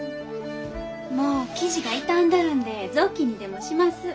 もう生地が傷んどるんで雑巾にでもします。